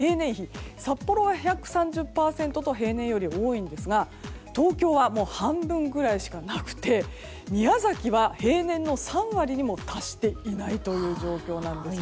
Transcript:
平年で見てみると平年比、札幌は１３０％と平年より多いんですが東京は半分ぐらいしかなくて宮崎は平年の３割にも達していないという状況です。